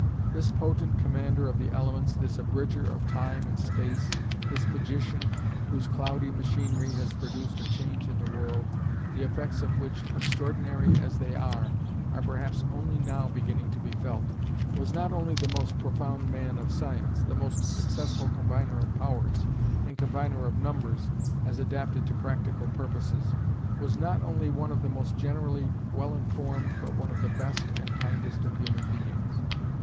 This potent commander of the elements, this abridger of time and space, this magician, whose cloudy machinery has produced a change in the world, the effects of which, extraordinary as they are, are perhaps only now beginning to be felt was not only the most profound man of science, the most successful combiner of powers, and combiner of numbers, as adapted to practical purposes was not only one of the most generally well informed, but one of the best and kindest of human beings.